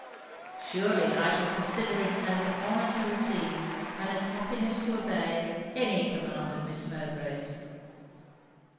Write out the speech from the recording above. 'Surely I shall consider it as an honour to receive, and as happiness to obey, any command of Miss Mowbray's.'